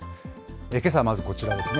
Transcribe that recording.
けさはまずこちらですね。